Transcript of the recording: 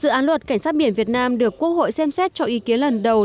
dự án luật cảnh sát biển việt nam được quốc hội xem xét cho ý kiến lần đầu